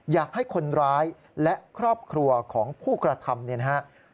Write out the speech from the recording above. อยากให้คนร้ายและครอบครัวของผู้กระทำเนี่ยนะครับ